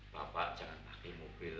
bapak jangan pakai mobil